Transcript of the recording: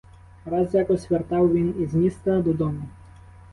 Раз якось вертав він із міста додому.